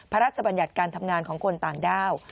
พระราชบัญญัติการทำงานของคนต่างดาว